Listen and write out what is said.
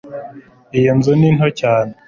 Iyi nzu ni nto cyane